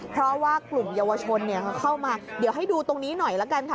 เพราะว่ากลุ่มเยาวชนเข้ามาเดี๋ยวให้ดูตรงนี้หน่อยละกันค่ะ